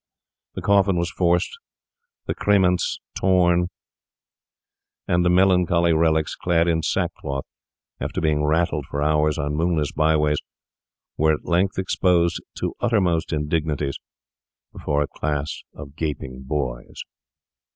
The coffin was forced, the cerements torn, and the melancholy relics, clad in sackcloth, after being rattled for hours on moonless byways, were at length exposed to uttermost indignities before a class of gaping boys.